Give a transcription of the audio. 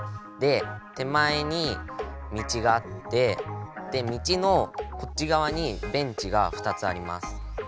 で手前に道があって道のこっちがわにベンチが２つあります。